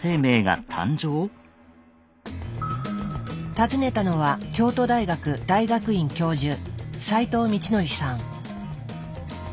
訪ねたのは京都大学大学院教授斎藤通紀さん。